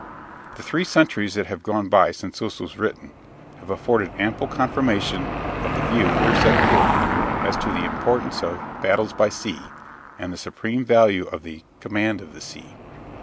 The three centuries that have gone by since this was written have afforded ample confirmation of the view here set forth, as to the importance of "Battailes by Sea" and the supreme value of the "Command of the Sea."